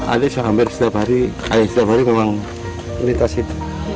ada hampir setiap hari setiap hari memang lintas itu